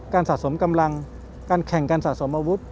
สะสมกำลังการแข่งการสะสมอาวุธ